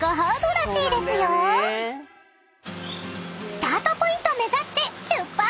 ［スタートポイント目指して出発！］